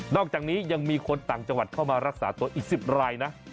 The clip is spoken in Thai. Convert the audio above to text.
อกจากนี้ยังมีคนต่างจังหวัดเข้ามารักษาตัวอีก๑๐รายนะ